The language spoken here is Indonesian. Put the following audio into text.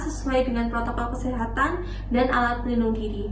sesuai dengan protokol kesehatan dan alat pelindung diri